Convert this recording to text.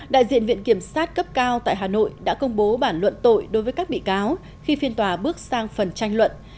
đại diện viện kiểm sát cấp cao tại hà nội đã công bố bản luận tội đối với các bị cáo khi phiên tòa bước sang phần tranh luận